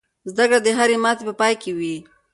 زده کړه د هرې ماتې په پای کې وي.